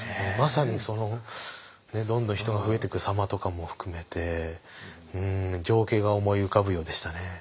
まさにそのどんどん人が増えていく様とかも含めてうん情景が思い浮かぶようでしたね。